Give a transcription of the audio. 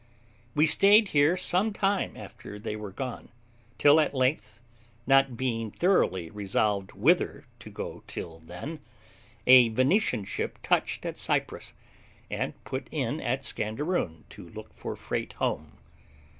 We stayed here some time after they were gone, till at length, not being thoroughly resolved whither to go till then, a Venetian ship touched at Cyprus, and put in at Scanderoon to look for freight home.